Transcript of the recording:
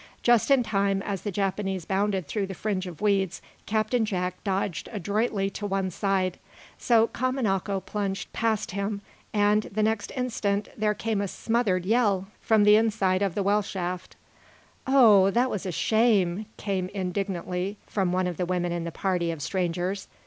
Just in time, as the Japanese bounded through the fringe of weeds, Captain Jack dodged adroitly to one side. So Kamanako plunged past him and, the next instant, there came a smothered yell from the inside of the well shaft. "Oh, that was a shame!" came indignantly, from one of the women in the party of strangers.